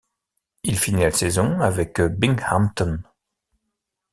Il finit la saison avec Binghamton.